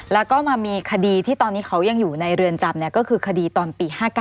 แล้วก็มามีคดีที่ตอนนี้เขายังอยู่ในเรือนจำก็คือคดีตอนปี๕๙